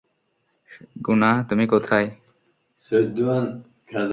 গুনা, তুমি কোথায়?